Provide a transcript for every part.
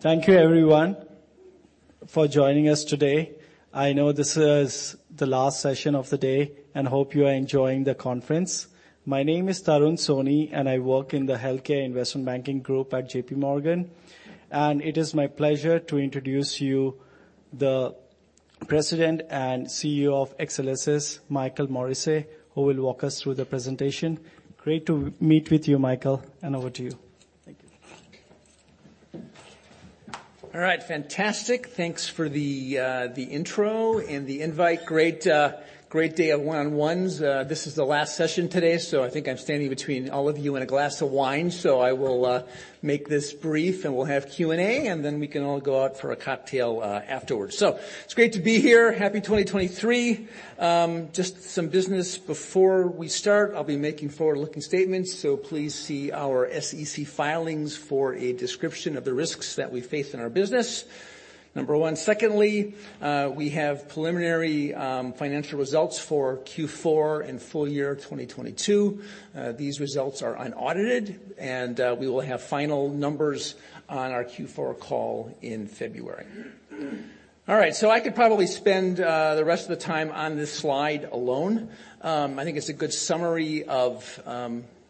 Thank you everyone for joining us today. I know this is the last session of the day, hope you are enjoying the conference. My name is Tarun Soni, I work in the Healthcare Investment Banking group at JPMorgan. It is my pleasure to introduce you the President and CEO of Exelixis, Michael Morrissey, who will walk us through the presentation. Great to meet with you, Michael, over to you. Thank you. All right. Fantastic. Thanks for the intro and the invite. Great day of one-on-ones. This is the last session today, so I think I'm standing between all of you and a glass of wine. I will make this brief, and we'll have Q&A, and then we can all go out for a cocktail afterwards. It's great to be here. Happy 2023. Just some business before we start. I'll be making forward-looking statements, so please see our SEC filings for a description of the risks that we face in our business, number one. Secondly, we have preliminary financial results for Q4 and full year 2022. These results are unaudited, and we will have final numbers on our Q4 call in February. All right, I could probably spend the rest of the time on this slide alone. I think it's a good summary of,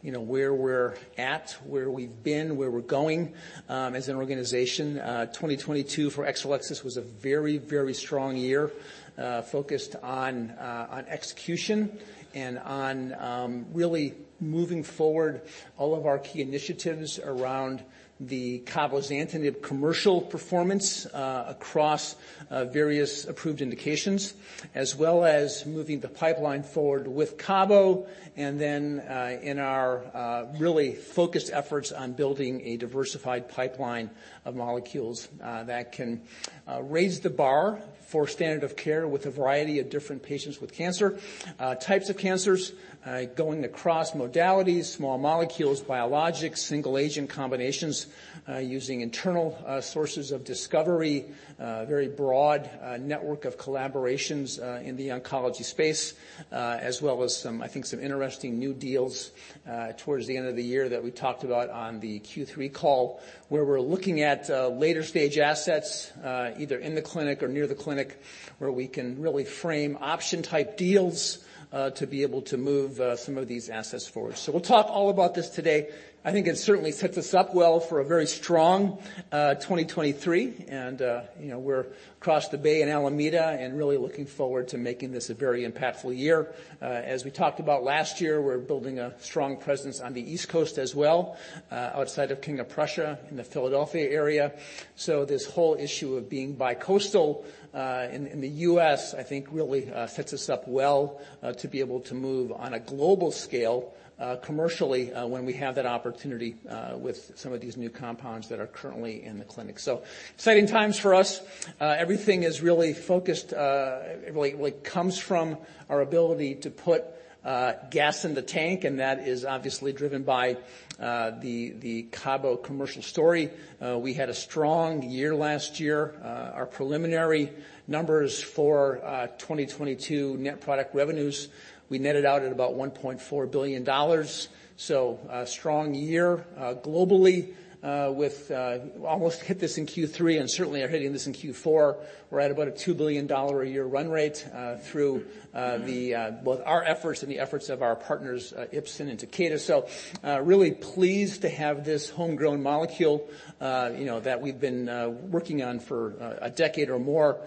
you know, where we're at, where we've been, where we're going as an organization. 2022 for Exelixis was a very, very strong year focused on execution and on really moving forward all of our key initiatives around the cabozantinib commercial performance across various approved indications, as well as moving the pipeline forward with CABO, then in our really focused efforts on building a diversified pipeline of molecules that can raise the bar for standard of care with a variety of different patients with cancer. Types of cancers, going across modalities, small molecules, biologics, single agent combinations, using internal sources of discovery, very broad network of collaborations, in the oncology space, as well as some, I think some interesting new deals, towards the end of the year that we talked about on the Q3 call, where we're looking at later stage assets, either in the clinic or near the clinic, where we can really frame option-type deals, to be able to move some of these assets forward. We'll talk all about this today. I think it certainly sets us up well for a very strong, 2023. You know, we're across the bay in Alameda and really looking forward to making this a very impactful year. As we talked about last year, we're building a strong presence on the East Coast as well, outside of King of Prussia in the Philadelphia area. This whole issue of being bi-coastal, in the U.S., I think, really, sets us up well, to be able to move on a global scale, commercially, when we have that opportunity, with some of these new compounds that are currently in the clinic. Exciting times for us. Everything is really focused. It really comes from our ability to put gas in the tank, and that is obviously driven by the CABO commercial story. We had a strong year last year. Our preliminary numbers for 2022 net product revenues, we netted out at about $1.4 billion. A strong year, globally, with almost hit this in Q3 and certainly are hitting this in Q4. We're at about a $2 billion a year run rate, through the both our efforts and the efforts of our partners, Ipsen and Takeda. Really pleased to have this homegrown molecule, you know, that we've been working on for a decade or more,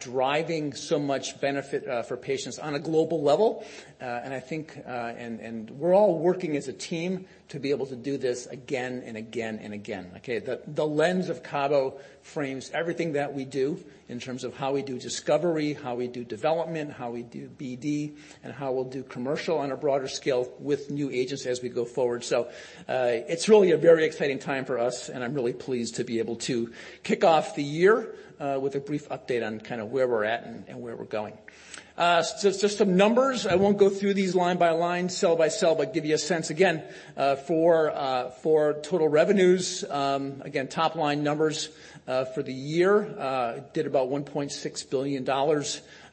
driving so much benefit, for patients on a global level. I think, and we're all working as a team to be able to do this again and again and again, okay? The lens of CABO frames everything that we do in terms of how we do discovery, how we do development, how we do BD, and how we'll do commercial on a broader scale with new agents as we go forward. It's really a very exciting time for us, and I'm really pleased to be able to kick off the year with a brief update on kinda where we're at and where we're going. Just some numbers. I won't go through these line by line, cell by cell, but give you a sense again for total revenues. Again, top-line numbers for the year did about $1.6 billion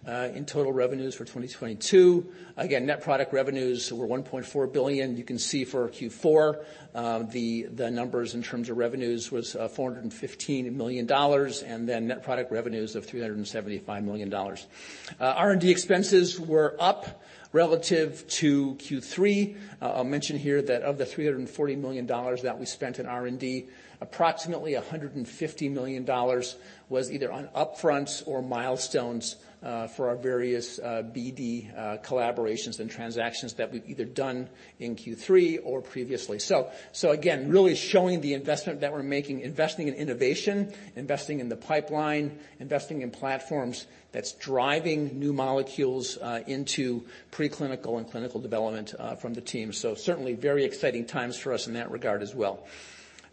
in total revenues for 2022. Again, net product revenues were $1.4 billion. You can see for Q4, the numbers in terms of revenues was $415 million, net product revenues of $375 million. R&D expenses were up relative to Q3. I'll mention here that of the $340 million that we spent in R&D, approximately $150 million was either on upfronts or milestones for our various BD collaborations and transactions that we've either done in Q3 or previously. Again, really showing the investment that we're making, investing in innovation, investing in the pipeline, investing in platforms that's driving new molecules into preclinical and clinical development from the team. Certainly very exciting times for us in that regard as well.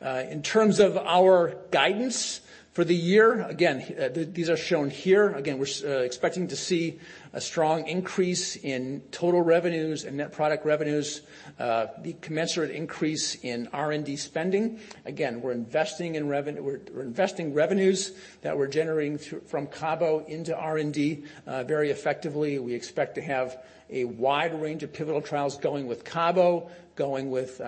In terms of our guidance for the year, again, these are shown here. Again, we're expecting to see a strong increase in total revenues and net product revenues, the commensurate increase in R&D spending. Again, we're investing revenues that we're generating from CABO into R&D very effectively. We expect to have a wide range of pivotal trials going with CABO, going with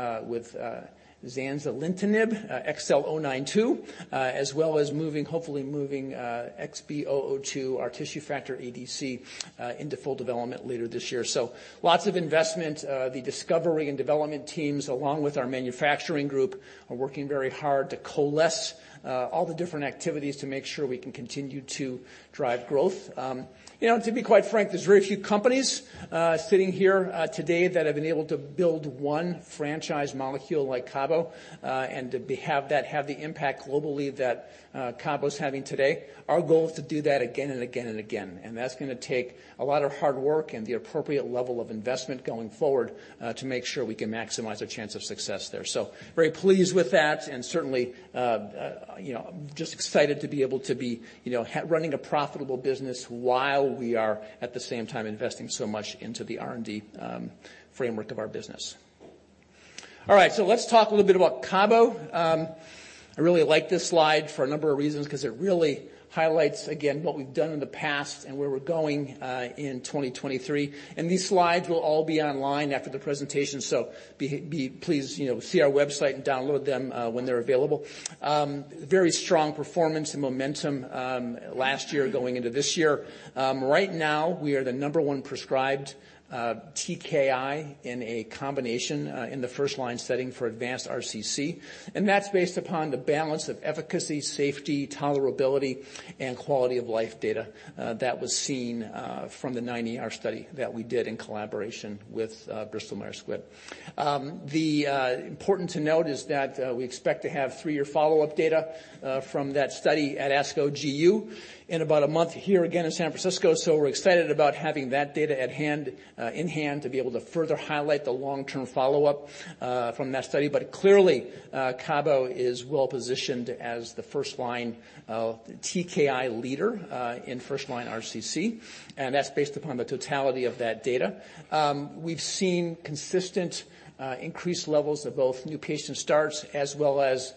zanzalintinib, XL092, as well as moving, hopefully moving, XB002, our tissue factor ADC, into full development later this year. Lots of investment. The discovery and development teams, along with our manufacturing group, are working very hard to coalesce all the different activities to make sure we can continue to drive growth. You know, to be quite frank, there's very few companies sitting here today that have been able to build one franchise molecule like CABO, and have that have the impact globally that CABO's having today. Our goal is to do that again and again and again, that's gonna take a lot of hard work and the appropriate level of investment going forward to make sure we can maximize our chance of success there. Very pleased with that and certainly, you know, just excited to be able to be, you know, running a profitable business while we are, at the same time, investing so much into the R&D framework of our business. All right, let's talk a little bit about CABO. I really like this slide for a number of reasons because it really highlights again what we've done in the past and where we're going in 2023. These slides will all be online after the presentation, so Please, you know, see our website and download them when they're available. Very strong performance and momentum last year going into this year. Right now we are the number one prescribed TKI in a combination in the first-line setting for advanced RCC, and that's based upon the balance of efficacy, safety, tolerability, and quality-of-life data that was seen from the 9ER study that we did in collaboration with Bristol Myers Squibb. Important to note is that we expect to have three-year follow-up data from that study at ASCO GU in about a month here again in San Francisco. We're excited about having that data at hand in hand to be able to further highlight the long-term follow-up from that study. Clearly, CABO is well-positioned as the first-line TKI leader in first-line RCC, and that's based upon the totality of that data. We've seen consistent increased levels of both new patient starts as well as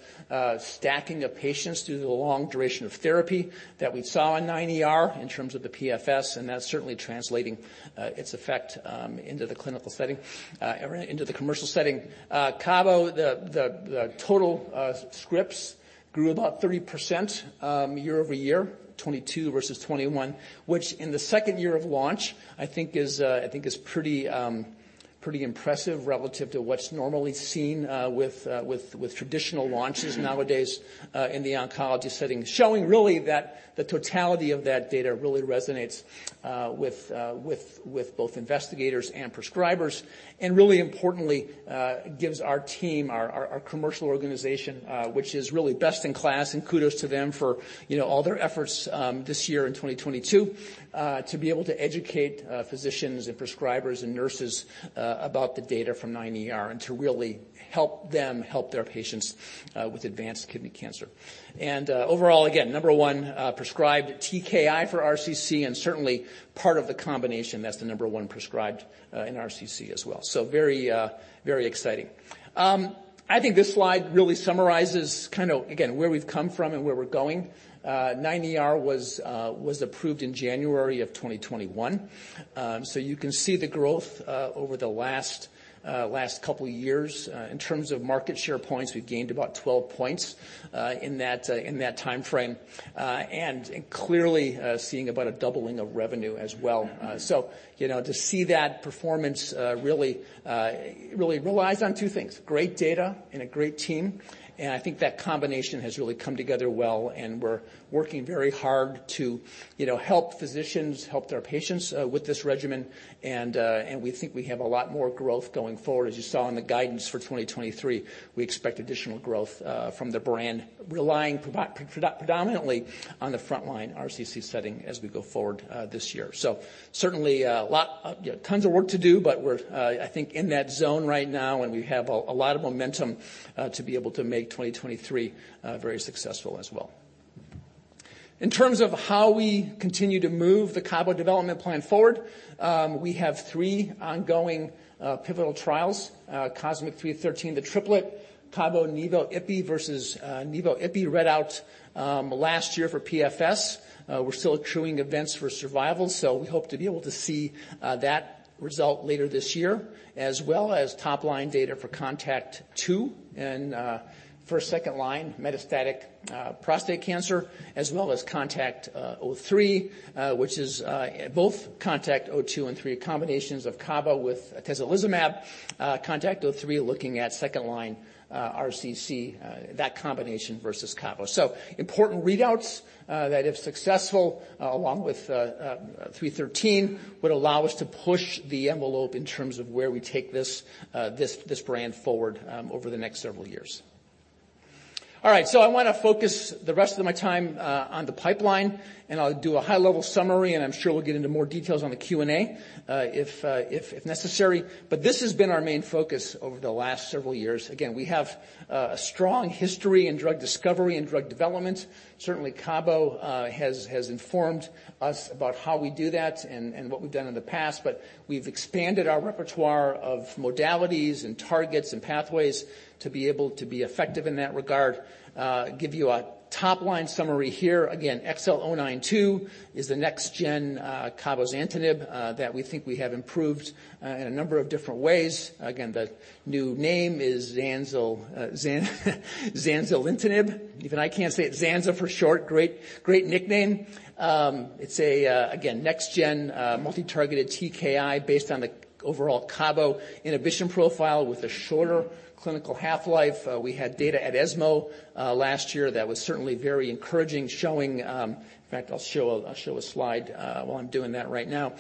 stacking of patients due to the long duration of therapy that we saw in 9ER in terms of the PFS, and that's certainly translating its effect into the clinical setting. Into the commercial setting. CABO, the total scripts grew about 30% year-over-year, 2022 versus 2021, which in the second year of launch, I think is pretty impressive relative to what's normally seen with traditional launches nowadays in the oncology setting. Showing really that the totality of that data really resonates with both investigators and prescribers, and really importantly, gives our team, our commercial organization, which is really best in class and kudos to them for, you know, all their efforts this year in 2022, to be able to educate physicians and prescribers and nurses about the data from 9ER and to really help them help their patients with advanced kidney cancer. Overall, again, number one prescribed TKI for RCC and certainly part of the combination that's the number one prescribed in RCC as well. Very, very exciting. I think this slide really summarizes kind of, again, where we've come from and where we're going. 9ER was approved in January of 2021. You can see the growth over the last couple years. In terms of market share points, we've gained about 12 points in that timeframe. And clearly, seeing about a doubling of revenue as well. You know, to see that performance really relies on two things, great data and a great team, I think that combination has really come together well, we're working very hard to, you know, help physicians help their patients with this regimen. We think we have a lot more growth going forward. As you saw in the guidance for 2023, we expect additional growth from the brand relying predominantly on the frontline RCC setting as we go forward this year. Certainly, lot, you know, tons of work to do, we're I think in that zone right now, we have a lot of momentum to be able to make 2023 very successful as well. In terms of how we continue to move the CABO development plan forward, we have three ongoing pivotal trials, COSMIC-313, the triplet, CABO nivo/ipi versus nivo/ipi read out last year for PFS. We're still accruing events for survival, so we hope to be able to see that result later this year, as well as top-line data for CONTACT-02 and for second-line metastatic prostate cancer, as well as CONTACT-03. Both CONTACT-02 and 03 are combinations of CABO with atezolizumab. CONTACT-03 looking at second-line RCC, that combination versus CABO. Important readouts that if successful, along with 313, would allow us to push the envelope in terms of where we take this brand forward, over the next several years. All right, I want to focus the rest of my time on the pipeline, and I'll do a high-level summary, and I'm sure we'll get into more details on the Q&A, if necessary. This has been our main focus over the last several years. Again, we have a strong history in drug discovery and drug development. Certainly, CABO has informed us about how we do that and what we've done in the past, but we've expanded our repertoire of modalities and targets and pathways to be able to be effective in that regard. Give you a top-line summary here. XL092 is the next-gen cabozantinib that we think we have improved in a number of different ways. The new name is zanzalintinib. Even I can't say it. Zanza for short. Great nickname. It's a next-gen multi-targeted TKI based on the overall CABO inhibition profile with a shorter clinical half-life. We had data at ESMO last year that was certainly very encouraging, showing. I'll show a slide while I'm doing that right now.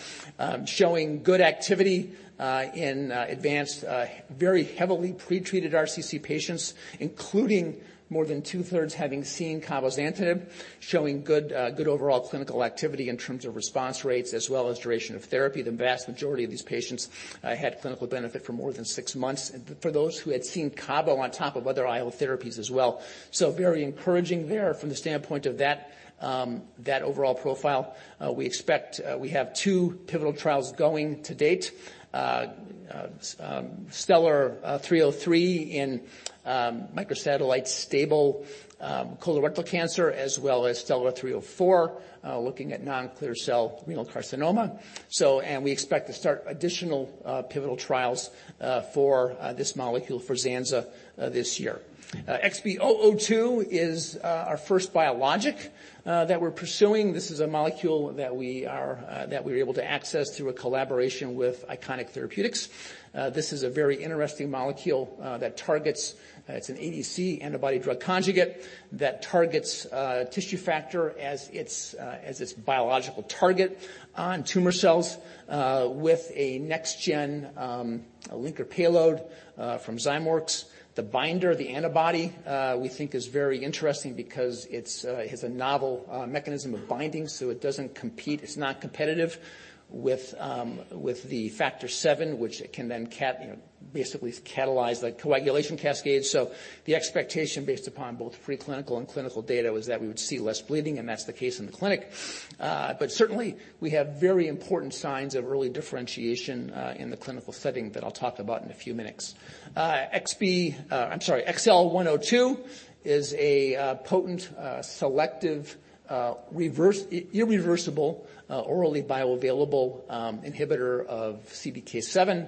Showing good activity in advanced, very heavily pre-treated RCC patients, including more than two-thirds having seen cabozantinib, showing good overall clinical activity in terms of response rates as well as duration of therapy. The vast majority of these patients had clinical benefit for more than 6 months. For those who had seen CABO on top of other IO therapies as well. Very encouraging there from the standpoint of that overall profile. We expect we have two pivotal trials going to date. STELLAR-303 in microsatellite stable, colorectal cancer, as well as STELLAR-304, looking at non-clear cell renal carcinoma. We expect to start additional pivotal trials for this molecule for Zanza this year. XB002 is our first biologic that we're pursuing. This is a molecule that we're able to access through a collaboration with Iconic Therapeutics. This is a very interesting molecule that targets, it's an ADC, antibody-drug conjugate, that targets Tissue factor as its as its biological target in tumor cells with a next-gen linker payload from Zymeworks. The binder, the antibody, we think is very interesting because it's it has a novel mechanism of binding, so it doesn't compete. It's not competitive with the Factor VII, which it can then you know, basically catalyze the coagulation cascade. The expectation based upon both preclinical and clinical data was that we would see less bleeding, and that's the case in the clinic. Certainly, we have very important signs of early differentiation in the clinical setting that I'll talk about in a few minutes. XB, I'm sorry, XL102 is a potent, selective, irreversible, orally bioavailable inhibitor of CDK7.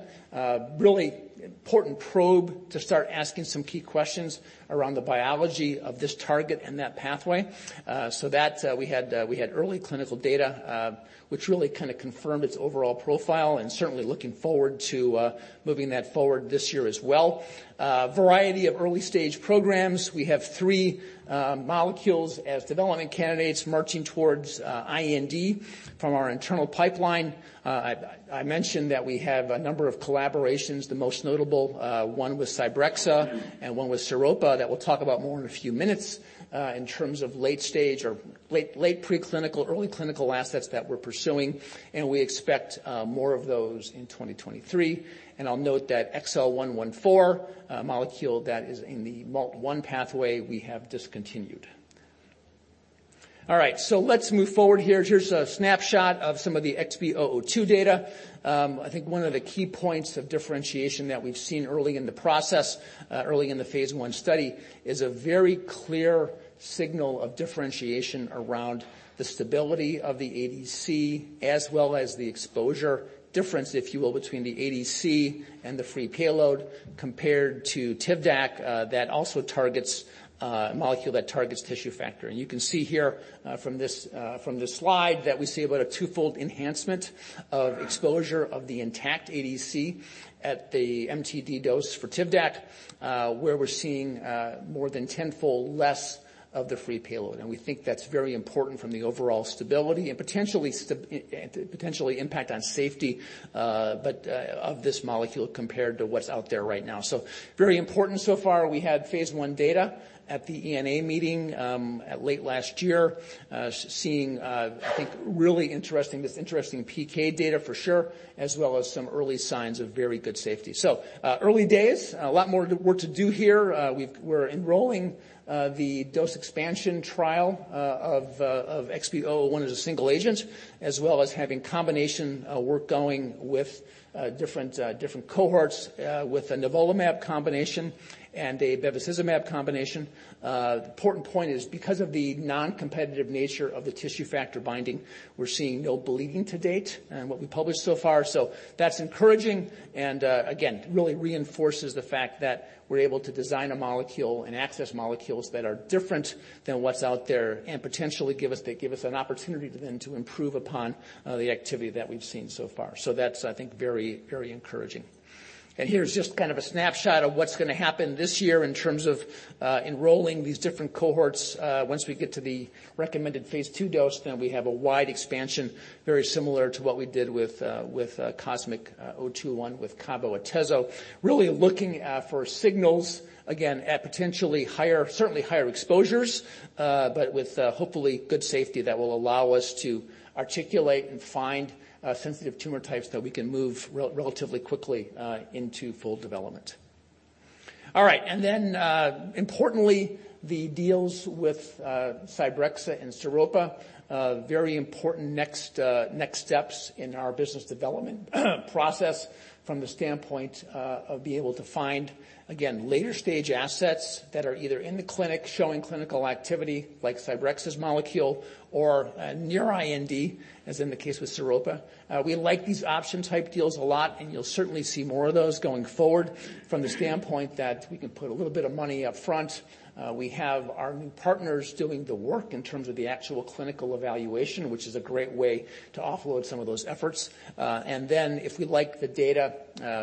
Really important probe to start asking some key questions around the biology of this target and that pathway. We had early clinical data, which really kind of confirmed its overall profile and certainly looking forward to moving that forward this year as well. Variety of early-stage programs. We have three molecules as development candidates marching towards IND from our internal pipeline. I mentioned that we have a number of collaborations, the most notable, one with Cybrexa and one with Sairopa that we'll talk about more in a few minutes, in terms of late-stage or late preclinical, early clinical assets that we're pursuing, and we expect more of those in 2023. I'll note that XL114, a molecule that is in the MALT1 pathway, we have discontinued. All right, let's move forward here. Here's a snapshot of some of the XB002 data. I think one of the key points of differentiation that we've seen early in the process, early in the phase I study, is a very clear signal of differentiation around the stability of the ADC as well as the exposure difference, if you will, between the ADC and the free payload compared to TIVDAK, that also targets a molecule that targets Tissue factor. You can see here from this from this slide that we see about a two-fold enhancement of exposure of the intact ADC at the MTD dose for TIVDAK, where we're seeing more than 10-fold less of the free payload. We think that's very important from the overall stability and potentially impact on safety, but of this molecule compared to what's out there right now. Very important so far. We had phase I data at the ENA meeting late last year, seeing I think really interesting, this interesting PK data for sure, as well as some early signs of very good safety. Early days, a lot more work to do here. We're enrolling the dose expansion trial of XB001 as a single agent, as well as having combination work going with different cohorts, with a nivolumab combination and a bevacizumab combination. The important point is because of the non-competitive nature of the Tissue factor binding, we're seeing no bleeding to date in what we published so far. That's encouraging and, again, really reinforces the fact that we're able to design a molecule and access molecules that are different than what's out there and potentially they give us an opportunity then to improve upon the activity that we've seen so far. That's, I think, very encouraging. Here's just kind of a snapshot of what's gonna happen this year in terms of enrolling these different cohorts. Once we get to the recommended phase II dose, we have a wide expansion, very similar to what we did with COSMIC-021 with Cabo-Atezo. Really looking for signals, again, at potentially higher, certainly higher exposures, but with hopefully good safety that will allow us to articulate and find sensitive tumor types that we can move relatively quickly into full development. All right. Importantly, the deals with Cybrexa and Sairopa, very important next steps in our business development process from the standpoint of being able to find, again, later-stage assets that are either in the clinic showing clinical activity, like Cybrexa's molecule or, near IND, as in the case with Sairopa. We like these option-type deals a lot, and you'll certainly see more of those going forward from the standpoint that we can put a little bit of money up front. We have our new partners doing the work in terms of the actual clinical evaluation, which is a great way to offload some of those efforts. If we like the data,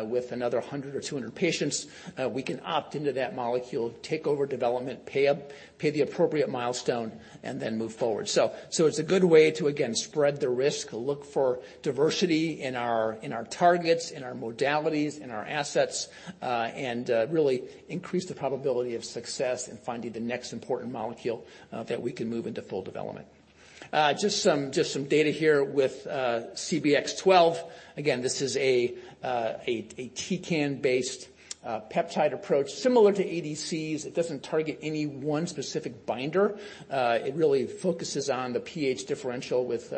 with another 100 or 200 patients, we can opt into that molecule, take over development, pay the appropriate milestone, and then move forward. It's a good way to, again, spread the risk, look for diversity in our, in our targets, in our modalities, in our assets, and really increase the probability of success in finding the next important molecule that we can move into full development. Just some data here with CBX-12. Again, this is a topotecan-based peptide approach similar to ADCs. It doesn't target any one specific binder. It really focuses on the pH differential with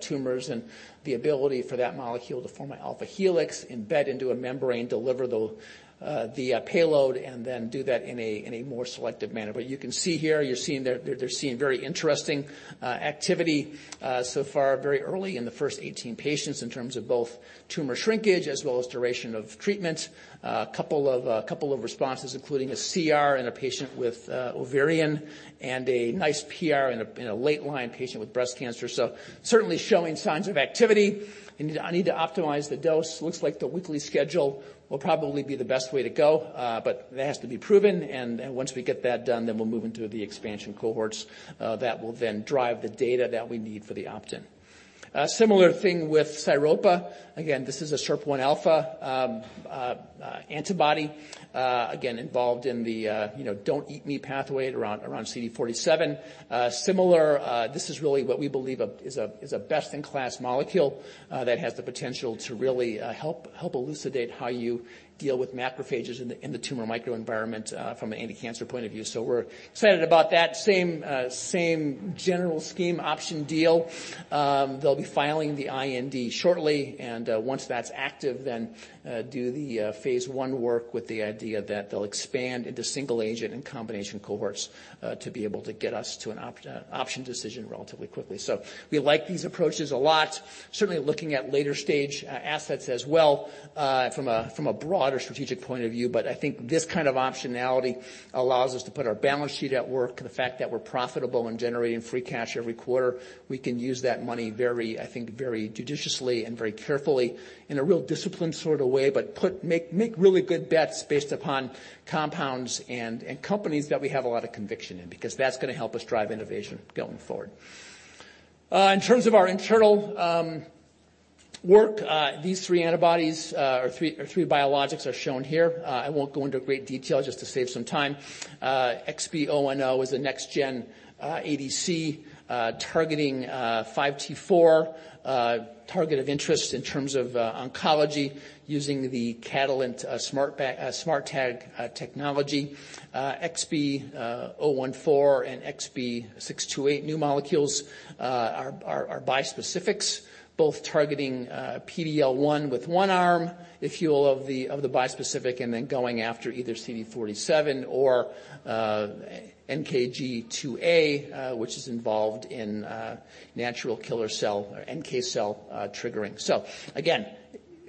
tumors and the ability for that molecule to form an alpha helix, embed into a membrane, deliver the payload, and then do that in a more selective manner. You can see here, you're seeing they're seeing very interesting activity so far, very early in the first 18 patients in terms of both tumor shrinkage as well as duration of treatment. A couple of responses, including a CR in a patient with ovarian and a nice PR in a late-line patient with breast cancer. Certainly showing signs of activity. I need to optimize the dose. Looks like the weekly schedule will probably be the best way to go. That has to be proven, and once we get that done, then we'll move into the expansion cohorts that will then drive the data that we need for the opt-in. Similar thing with Sairopa. Again, this is a SIRP alpha antibody, again, involved in the, you know, don't eat me pathway around CD47. Similar, this is really what we believe is a best-in-class molecule that has the potential to really help elucidate how you deal with macrophages in the tumor microenvironment from an anti-cancer point of view. We're excited about that. Same general scheme option deal. They'll be filing the IND shortly and once that's active, then do the phase I work with the idea that they'll expand into single agent and combination cohorts to be able to get us to an option decision relatively quickly. We like these approaches a lot. Certainly looking at later stage assets as well from a broader strategic point of view, but I think this kind of optionality allows us to put our balance sheet at work, the fact that we're profitable and generating free cash every quarter. We can use that money very, I think, very judiciously and very carefully in a real disciplined sort of way, but make really good bets based upon compounds and companies that we have a lot of conviction in, because that's gonna help us drive innovation going forward. In terms of our internal work, these three antibodies or three biologics are shown here. I won't go into great detail just to save some time. XB010 is a next-gen ADC targeting 5T4, a target of interest in terms of oncology using the Catalent SMARTag technology. XB014 and XB628 new molecules are bispecifics, both targeting PD-L1 with 1 arm, if you will, of the bispecific, and then going after either CD47 or NKG2A, which is involved in natural killer cell or NK cell triggering. Again,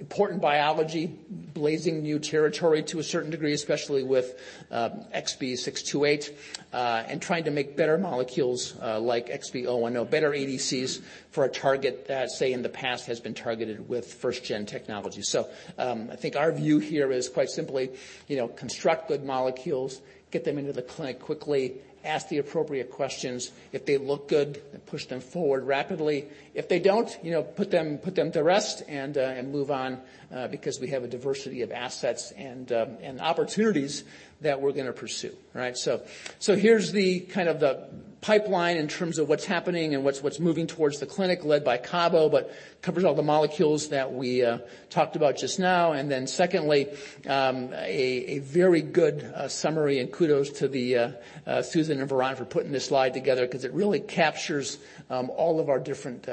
important biology, blazing new territory to a certain degree, especially with XB628 and trying to make better molecules, like XB010, better ADCs for a target that, say, in the past has been targeted with first gen technology. I think our view here is quite simply, you know, construct good molecules, get them into the clinic quickly, ask the appropriate questions. If they look good, then push them forward rapidly. If they don't, you know, put them to rest and move on, because we have a diversity of assets and opportunities that we're gonna pursue, right? Here's the kind of the pipeline in terms of what's happening and what's moving towards the clinic led by Cabo, but covers all the molecules that we talked about just now. Secondly, a very good summary and kudos to Susan and Veron for putting this slide together because it really captures all of our different,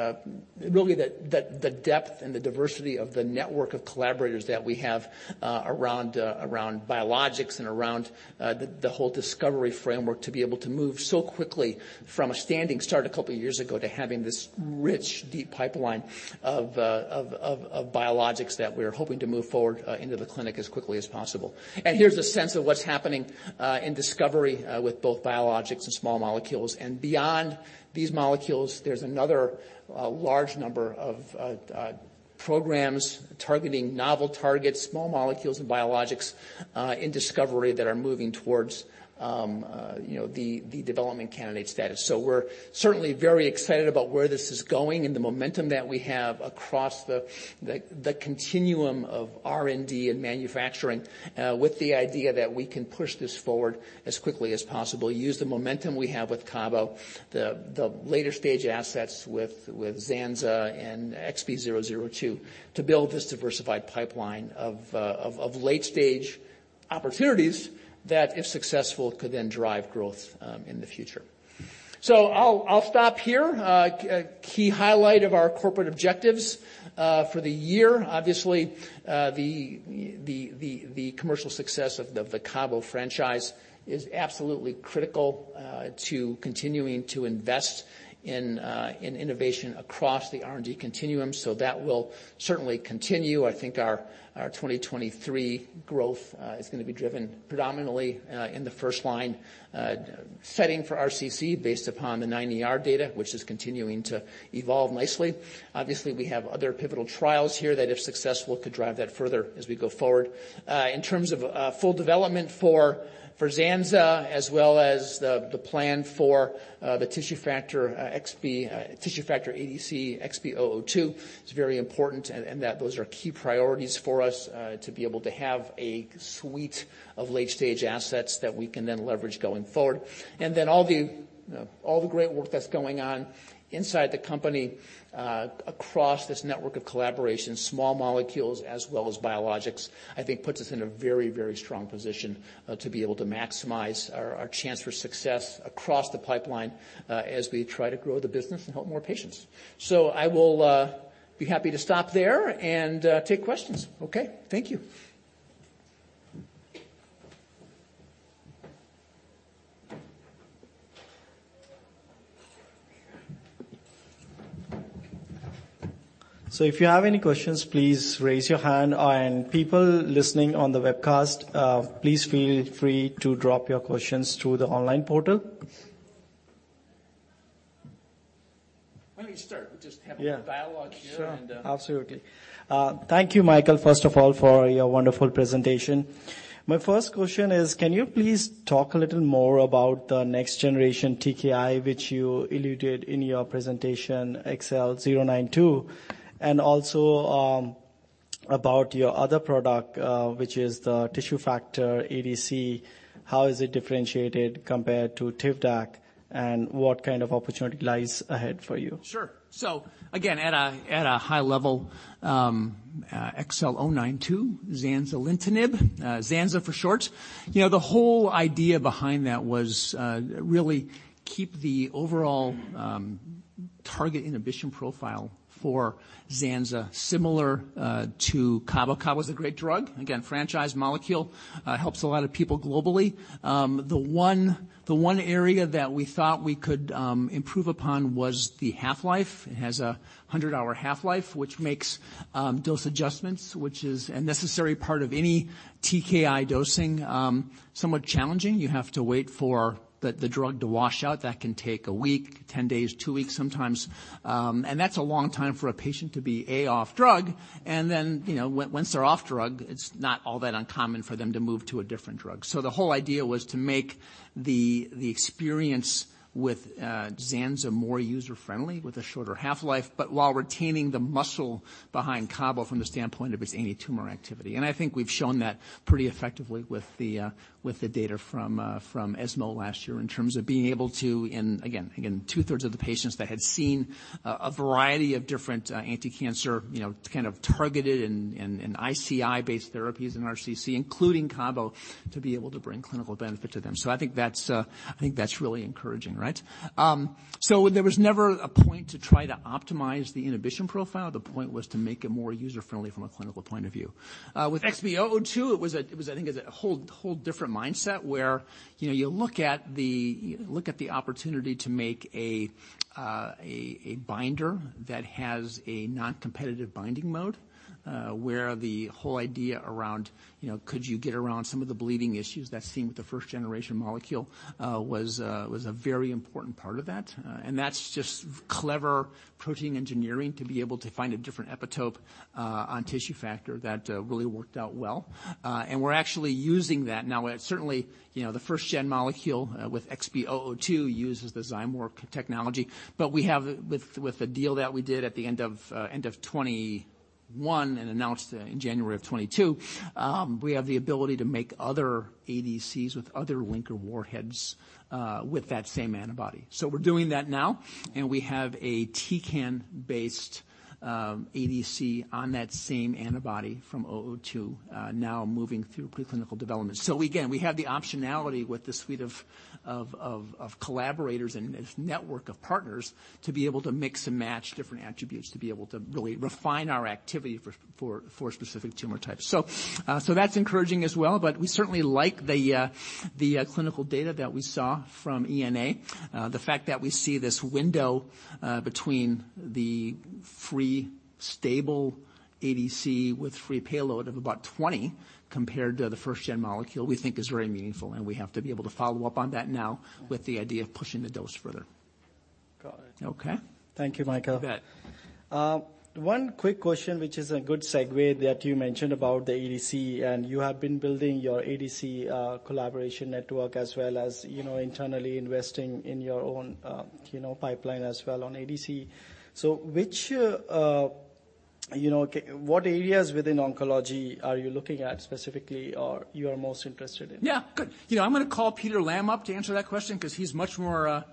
really the depth and the diversity of the network of collaborators that we have around around biologics and around the whole discovery framework to be able to move so quickly from a standing start a couple of years ago to having this rich, deep pipeline of biologics that we're hoping to move forward into the clinic as quickly as possible. Here's a sense of what's happening in discovery with both biologics and small molecules. Beyond these molecules, there's another large number of programs targeting novel targets, small molecules and biologics in discovery that are moving towards, you know, the development candidate status. We're certainly very excited about where this is going and the momentum that we have across the continuum of R&D and manufacturing with the idea that we can push this forward as quickly as possible, use the momentum we have with CABO, the later stage assets with Zanza and XB002 to build this diversified pipeline of late-stage opportunities that, if successful, could then drive growth in the future. I'll stop here. Key highlight of our corporate objectives for the year. The commercial success of the CABO franchise is absolutely critical to continuing to invest in innovation across the R&D continuum. That will certainly continue. I think our 2023 growth is going to be driven predominantly in the first line setting for RCC based upon the 9ER data, which is continuing to evolve nicely. We have other pivotal trials here that, if successful, could drive that further as we go forward. In terms of full development for Zanza, as well as the plan for the tissue factor ADC XB002 is very important and that those are key priorities for us to be able to have a suite of late-stage assets that we can then leverage going forward. All the, all the great work that's going on inside the company, across this network of collaborations, small molecules as well as biologics, I think puts us in a very, very strong position, to be able to maximize our chance for success across the pipeline, as we try to grow the business and help more patients. I will be happy to stop there and take questions. Okay. Thank you. If you have any questions, please raise your hand. People listening on the webcast, please feel free to drop your questions through the online portal. Why don't you start? We just have a dialogue here and, Sure. Absolutely. Thank you, Michael, first of all, for your wonderful presentation. My first question is, can you please talk a little more about the next generation TKI, which you alluded in your presentation, XL092, and also about your other product, which is the Tissue Factor ADC? How is it differentiated compared to TIVDAK, and what kind of opportunity lies ahead for you? Sure. Again, at a high level, XL092, zanzalintinib, Zanza for short. You know, the whole idea behind that was really keep the overall target inhibition profile for Zanza similar to CABO. CABO is a great drug. Again, franchise molecule, helps a lot of people globally. The one area that we thought we could improve upon was the half-life. It has a 100-hour half-life, which makes dose adjustments, which is a necessary part of any TKI dosing, somewhat challenging. You have to wait for the drug to wash out. That can take a week, 10 days, two weeks sometimes. That's a long time for a patient to be, A, off drug, and then, you know, once they're off drug, it's not all that uncommon for them to move to a different drug. The whole idea was to make the experience with Zanza more user-friendly with a shorter half-life, but while retaining the muscle behind CABO from the standpoint of its any tumor activity. I think we've shown that pretty effectively with the data from ESMO last year in terms of being able to. Again, two-thirds of the patients that had seen a variety of different anticancer, you know, kind of targeted and, and ICI-based therapies in RCC, including CABO, to be able to bring clinical benefit to them. I think that's I think that's really encouraging, right? There was never a point to try to optimize the inhibition profile. The point was to make it more user-friendly from a clinical point of view. With XB002, it was I think as a whole different mindset, where, you know, you look at the opportunity to make a binder that has a non-competitive binding mode, where the whole idea around, you know, could you get around some of the bleeding issues that's seen with the first-generation molecule, was a very important part of that. And that's just clever protein engineering to be able to find a different epitope on tissue factor that really worked out well. And we're actually using that now. Certainly, you know, the first-gen molecule with XB002 uses the Zymeworks technology. We have with the deal that we did at the end of 2021 and announced in January of 2022, we have the ability to make other ADCs with other linker warheads with that same antibody. We're doing that now, and we have a topotecan-based ADC on that same antibody from XB002 now moving through preclinical development. Again, we have the optionality with the suite of collaborators and network of partners to be able to mix and match different attributes to be able to really refine our activity for specific tumor types. That's encouraging as well, but we certainly like the clinical data that we saw from ENA. The fact that we see this window, between the free, stable ADC with free payload of about 20 compared to the first gen molecule, we think is very meaningful. We have to be able to follow up on that now with the idea of pushing the dose further. Got it. Okay? Thank you, Michael. You bet. One quick question, which is a good segue that you mentioned about the ADC. You have been building your ADC collaboration network as well as, you know, internally investing in your own, you know, pipeline as well on ADC. Which, what areas within oncology are you looking at specifically or you are most interested in? Yeah. Good. You know, I'm gonna call Peter Lamb up to answer that question 'cause he's much more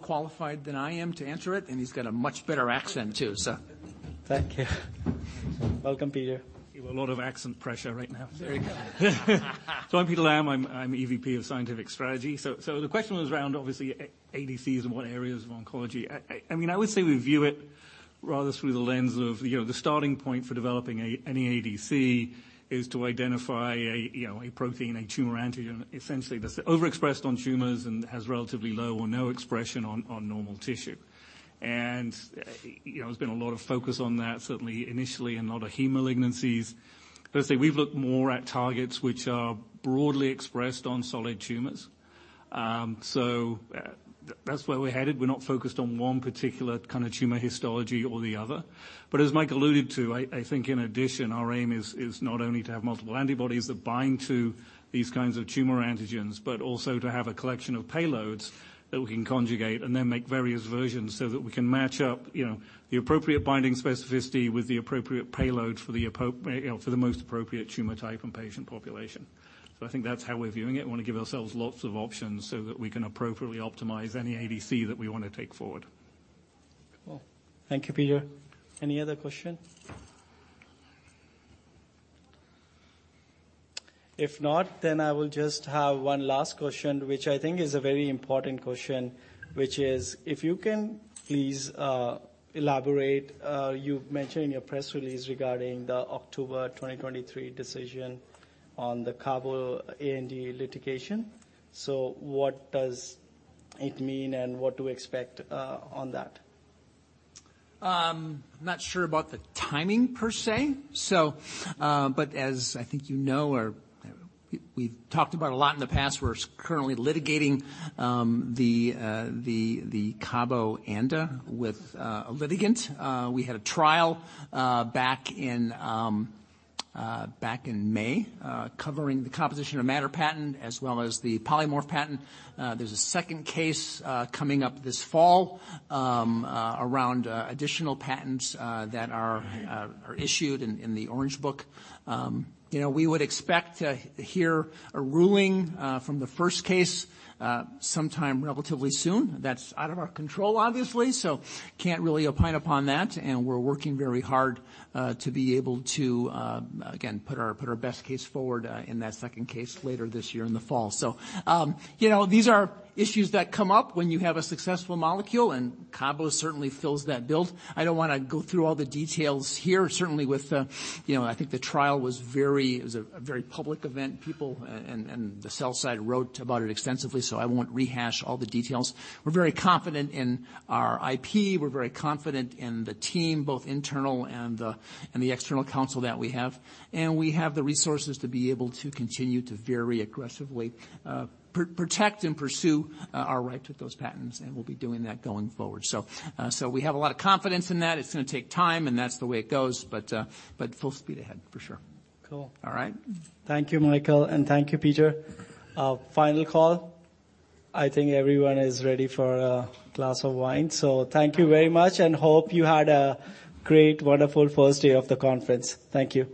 qualified than I am to answer it, and he's got a much better accent too, so. Thank you. Welcome, Peter. You have a lot of accent pressure right now. I'm Peter Lamb, I'm EVP of Scientific Strategy. The question was around obviously ADCs and what areas of oncology. I mean, I would say we view it rather through the lens of, you know, the starting point for developing any ADC is to identify a, you know, a protein, a tumor antigen, essentially, that's overexpressed on tumors and has relatively low or no expression on normal tissue. You know, there's been a lot of focus on that, certainly initially in a lot of heme malignancies. Let's say we've looked more at targets which are broadly expressed on solid tumors. That's where we're headed. We're not focused on one particular kind of tumor histology or the other. As Mike alluded to, I think in addition, our aim is not only to have multiple antibodies that bind to these kinds of tumor antigens, but also to have a collection of payloads that we can conjugate and then make various versions so that we can match up, you know, the appropriate binding specificity with the appropriate payload for the most appropriate tumor type and patient population. I think that's how we're viewing it. We wanna give ourselves lots of options so that we can appropriately optimize any ADC that we wanna take forward. Cool. Thank you, Peter. Any other question? If not, I will just have one last question, which I think is a very important question, which is if you can please elaborate, you've mentioned in your press release regarding the October 2023 decision on the CABO ANDA litigation. What does it mean and what to expect on that? I'm not sure about the timing per se. But as I think you know or we've talked about a lot in the past, we're currently litigating the CABO ANDA with a litigant. We had a trial back in May covering the composition of matter patent as well as the polymorph patent. There's a second case coming up this fall around additional patents that are issued in the Orange Book. You know, we would expect to hear a ruling from the first case sometime relatively soon. That's out of our control, obviously, so can't really opine upon that, and we're working very hard to be able to again, put our best case forward in that second case later this year in the fall. You know, these are issues that come up when you have a successful molecule, and cabo certainly fills that bill. I don't wanna go through all the details here. Certainly with, you know, I think the trial was very. It was a very public event. People and the sell side wrote about it extensively, so I won't rehash all the details. We're very confident in our IP. We're very confident in the team, both internal and the external counsel that we have, and we have the resources to be able to continue to very aggressively protect and pursue our right to those patents, and we'll be doing that going forward. We have a lot of confidence in that. It's gonna take time, and that's the way it goes, full speed ahead for sure. Cool. All right. Thank you, Michael, and thank you, Peter. Final call. I think everyone is ready for a glass of wine. Thank you very much and hope you had a great, wonderful first day of the conference. Thank you.